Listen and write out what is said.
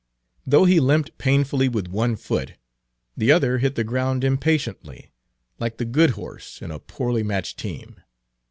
Though he limped painfully with one foot, the other hit the ground impatiently, like the good horse in a poorly matched team.